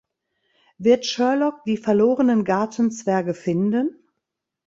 Wird Sherlock die verlorenen Gartenzwerge finden?